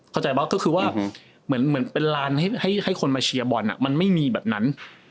เข้าใจว่าก็คือว่าเหมือนเป็นลานให้คนมาเชียร์บอลมันไม่มีแบบนั้น